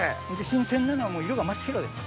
新鮮なのは色が真っ白です。